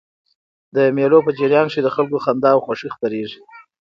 د مېلو په جریان کښي د خلکو خندا او خوښي خپریږي.